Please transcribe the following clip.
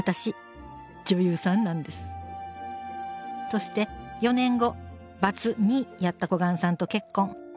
そして４年後バツ２やった小雁さんと結婚。